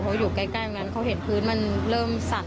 เขาอยู่ใกล้ตรงนั้นเขาเห็นพื้นมันเริ่มสั่น